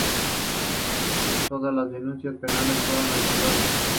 Todas la denuncias penales fueron archivadas.